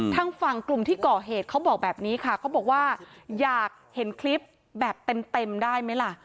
ทางฝั่งกลุ่มที่ก่อเหตุเขาบอกแบบนี้ค่ะเขาบอกว่าอยากเห็นคลิปแบบเต็มได้ไหมล่ะ